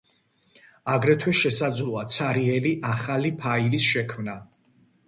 აგრეთვე შესაძლოა ცარიელი ახალი ფაილის შექმნა.